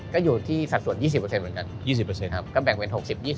ก็อยู่ที่สัดส่วน๒๐เหมือนกัน๒๐ครับก็แบ่งเป็น๖๐๒๐